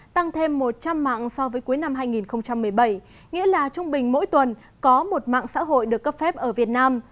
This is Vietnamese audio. tăng thêm một trăm linh mạng so với cuối năm hai nghìn một mươi bảy nghĩa là trung bình mỗi tuần có một mạng xã hội được cấp phép ở việt nam